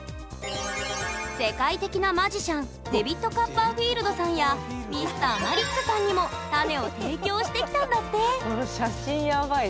世界的なマジシャンデビッド・カッパーフィールドさんやＭｒ．マリックさんにもこの写真やばい。